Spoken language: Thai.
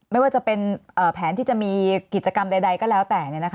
ไม่ว่าจะเป็นแผนที่จะมีกิจกรรมใดก็แล้วแต่